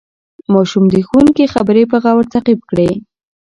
ماشوم د ښوونکي خبرې په غور تعقیب کړې